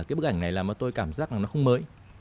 cái bức ảnh này là tôi cảm giác là nó không mới